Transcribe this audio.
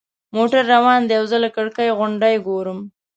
موټر روان دی او زه له کړکۍ غونډۍ ګورم.